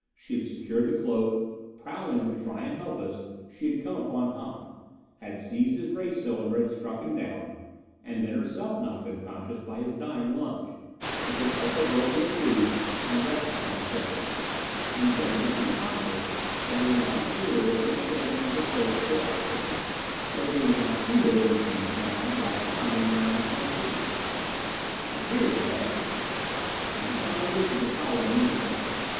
She had secured the cloak. Prowling, to try and help us, she had come upon Hahn. Had seized his ray cylinder and struck him down, and been herself knocked unconscious by his dying lunge, which also had broken the tubes and wrecked the Planetara. And Venza, unconscious, had been lying here with the mechanism of her cloak still operating, so that we did not see her when we came and found why Hahn did not answer my signals. "It's here, Gregg." Snap and I lifted the pile of Moon equipment.